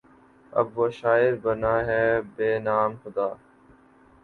اب وہ شاعر بنا ہے بہ نام خدا